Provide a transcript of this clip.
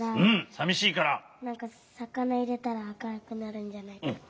なんかさかないれたらあかるくなるんじゃないかって。